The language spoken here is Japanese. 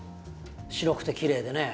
白くてきれいでね。